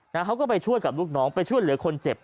เขาก็ไปช่วยกับลูกน้องไปช่วยเหลือคนเจ็บ